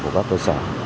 của các cơ sở